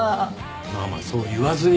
まあまあそう言わずに。